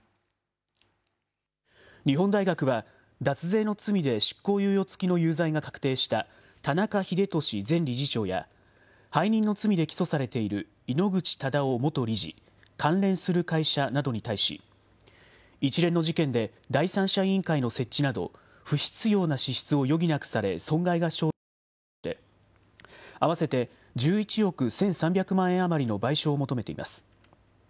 日本大学は、脱税の罪で執行猶予付きの有罪が確定した田中英壽前理事長や、背任の罪で起訴されている井ノ口忠男元理事、関連する会社などに対し、一連の事件で第三者委員会の設置など、不必要な支出を余儀なくされ損害が生じたなどとして、合わせて１１億１３００万円余りの賠償を求めています。